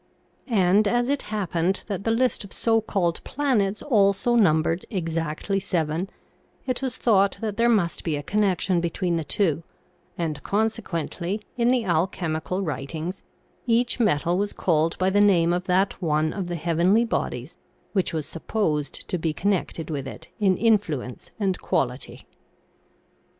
And as it happened that the list of so called planets also numbered exactly seven, it was thought that there must be a connec tion between the two, and, consequently, in the alchemical writings, each metal was called by the name of that one of the heavenly bodies which was supposed to be connected with it in influence and quality.